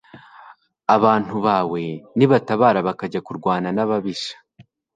abantu bawe nibatabara bakajya kurwana n'ababisha